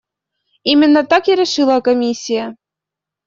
Именно так и решила комиссия.